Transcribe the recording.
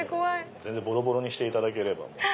全然ぼろぼろにしていただければ。